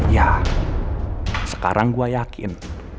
ya sekarang gue yakin